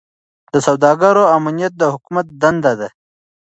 د سوداګرو امنیت د حکومت دنده ده.